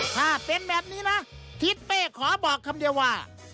ถ้าเป็นแบบนี้นะทิศเป้ขอบอกคำเดียวว่า